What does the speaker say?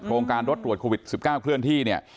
โครงการรถตรวจโควิด๑๙เคลื่อนที่เนี่ย